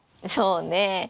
そうね。